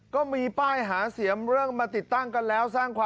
ก็มีป้ายหาเสียงเรื่องมาติดตั้งกันแล้ว